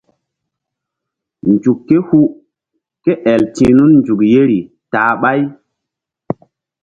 Nzuk ké hu ké el ti̧h nun nzuk yeri ta-a ɓáy.